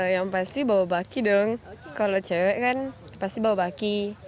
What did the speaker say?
yang pasti bawa baki dong kalau cewek kan pasti bawa baki